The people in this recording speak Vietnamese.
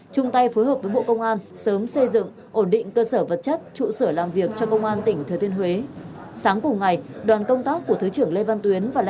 chung tay phối hợp với bộ công an sớm xây dựng ổn định cơ sở vật chất